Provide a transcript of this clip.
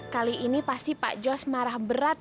kali ini pasti pak jos marah berat